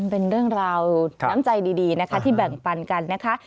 เป็นเรื่องราวน้ำใจดีนะคะที่แบ่งปันกันนะคะ